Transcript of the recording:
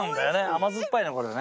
甘酸っぱいなこれね。